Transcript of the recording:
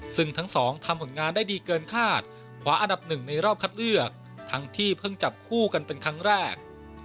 ซึ่งทั้งสองทำผลงานได้ดีเกินคาดขวาอันดับหนึ่งในรอบคัดเลือกทั้งที่เพิ่งจับคู่กันเป็นครั้งแรก